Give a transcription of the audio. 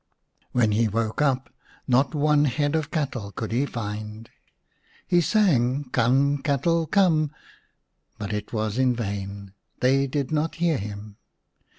When he woke up not 20 ii And the Magic Song one head of cattle could he find. He sang " Come, cattle, come," but it was in vain ; they did not hear him.